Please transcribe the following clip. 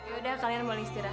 yaudah kalian boleh istirahat